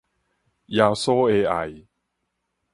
耶穌的愛